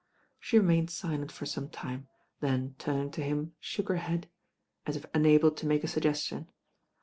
She remained silent for some time, then turning to him shook her head, as if unable to make a suggestion.